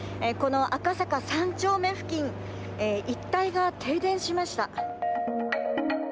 この赤坂３丁目付近一帯が停電しました。